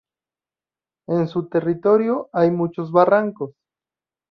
En su territorio hay muchos barrancos.